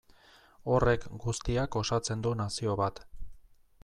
Horrek guztiak osatzen du nazio bat.